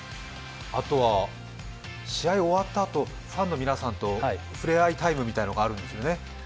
あとは、試合終わったあと、ファンの皆さんと触れ合いタイムみたいなのがあるんですよね？